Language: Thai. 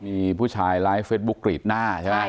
มีผู้ชายไลฟ์เฟสบุ๊คกรีดหน้าใช่ไหม